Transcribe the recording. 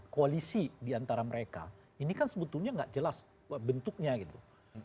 koalisi di antara mereka ini kan sebetulnya enggak jelas bentuknya gitu